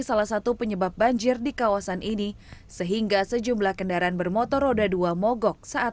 salah satu penyebab banjir di kawasan ini sehingga sejumlah kendaraan bermotor roda dua mogok saat